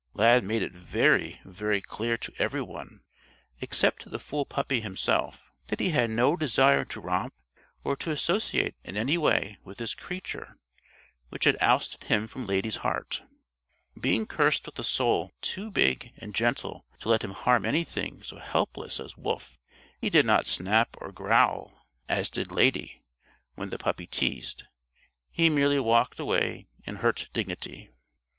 Lad made it very, very clear to everyone except to the fool puppy himself that he had no desire to romp or to associate in any way with this creature which had ousted him from Lady's heart! Being cursed with a soul too big and gentle to let him harm anything so helpless as Wolf, he did not snap or growl, as did Lady, when the puppy teased. He merely walked away in hurt dignity.